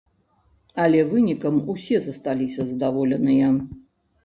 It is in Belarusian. Але вынікам усе засталіся задаволеныя.